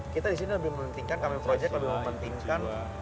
kita disini lebih mementingkan kami proyek lebih mementingkan